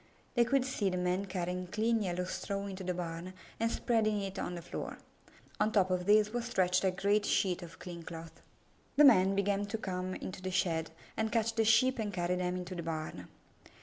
They could see the men carrying clean yellow straw into the barn and spreading it on the floor. On top of this was stretched a great sheet of clean cloth. Then the men began to come into the shed and catch the Sheep and carry them into the barn.